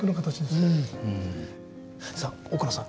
さあ奥野さん